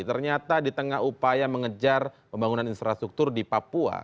ternyata di tengah upaya mengejar pembangunan infrastruktur di papua